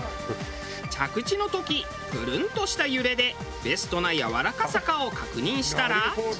着地の時プルンとした揺れでベストなやわらかさかを確認したら。